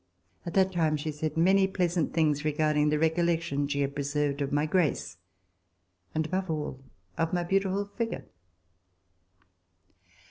At that time she said many pleasant things regarding the recollections which she had preserved of my grace and, above all, of my beautiful figure.